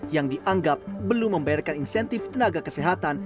yang dianggap belum membayarkan insentif tenaga kesehatan